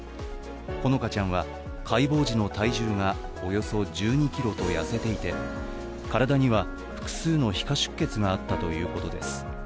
ほのかちゃんは解剖時の体重がおよそ１２ｋｇと痩せていて体には複数の皮下出血があったということです